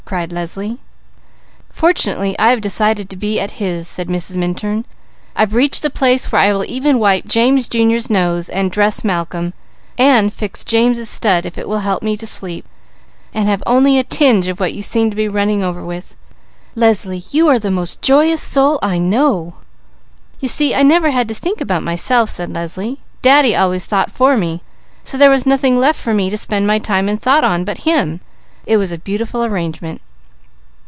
cried Leslie. "Fortunately, I have decided to be at his," said Mrs. Minturn. "I've reached the place where I will even wipe James Jr.'s nose and dress Malcolm, and fix James' studs if it will help me to sleep, and have only a tinge of what you seem to be running over with. Leslie, you are the most joyous soul!" "You see, I never had to think about myself," said Leslie. "Daddy always thought for me, so there was nothing left for me to spend my time and thought on but him. It was a beautiful arrangement."